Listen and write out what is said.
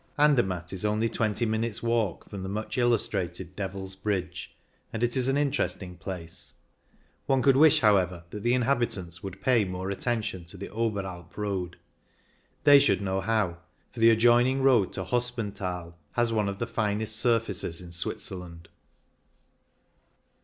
Andermatt is only twenty minutes* walk from the much illustrated Devil's Bridge, and it is an interesting place ; one 112 CYCLING IN THE ALPS could wish, however, that the inhabitants would pay more attention to the Oberalp road. They should know how, for the adjoining road to Hospenthal has one of the finest surfaces in Switzerland.